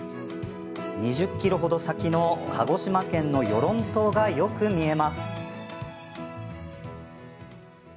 ２０ｋｍほど先の鹿児島県の与論島がよく見えます。